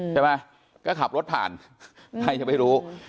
ใช่ไหมก็ขับรถผ่านใครจะไปรู้